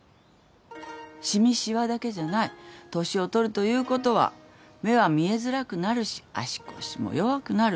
染みしわだけじゃない年を取るということは目は見えづらくなるし足腰も弱くなる。